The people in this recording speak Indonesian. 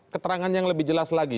keterangan yang lebih jelas lagi